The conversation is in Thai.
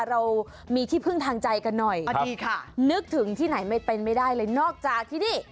เรามีที่พึ่งทางใจกันหน่อยดีค่ะนึกถึงที่ไหนไม่เป็นไม่ได้เลยนอกจากที่นี่